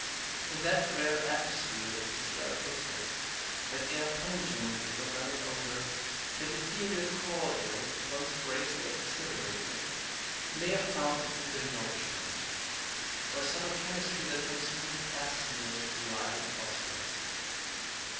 In that rare atmosphere of the Sierra foothills, that air pungent with balsamic odor, that ethereal cordial at once bracing and exhilarating, he may have found food and nourishment, or a subtle chemistry that transmuted ass's milk to lime and phosphorus.